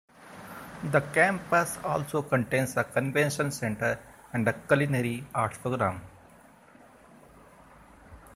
The campus also contains a convention center and a culinary arts program.